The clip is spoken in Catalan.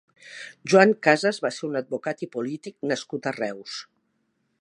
Joan Casas va ser un advocat i polític nascut a Reus.